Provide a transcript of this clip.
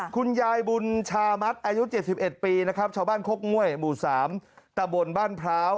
คุณยายบุญชามัดอายุ๗๑ปีนะครับชาวบ้านคกง่วยหมู่๓ตะบนบ้านพร้าว